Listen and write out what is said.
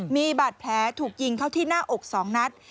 มีบาดแผลถูกยิงเข้าที่หน้าอก๒นัด